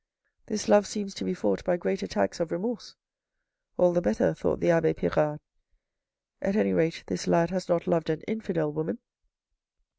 " This love seems to be fought by great attacks of remorse. All the better," thought the abbe Pirard. " At any rate this lad has not loved an infidel woman."